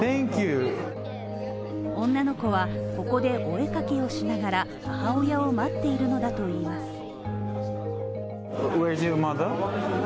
女の子はここでお絵描きをしながら母親を待っているのだといいます。